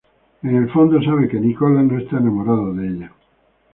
En el fondo sabe que Nicola no está enamorado de ella.